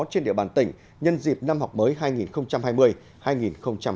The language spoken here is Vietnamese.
trên địa bàn tỉnh nhân dịp năm học mới hai nghìn hai mươi hai nghìn hai mươi một